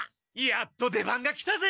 やっと出番が来たぜ！